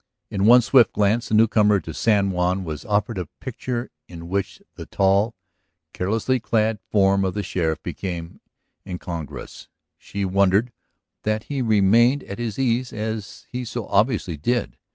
In one swift glance the newcomer to San Juan was offered a picture in which the tall, carelessly clad form of the sheriff became incongruous; she wondered that he remained at his ease as he so obviously did.